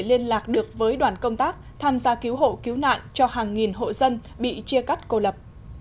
liên lạc được với đoàn công tác tham gia cứu hộ cứu nạn cho hàng nghìn hộ dân bị chia cắt cô lập